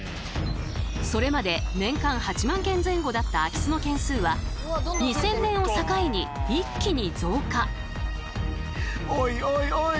それまで年間８万件前後だった空き巣の件数は２０００年を境に一気に増加。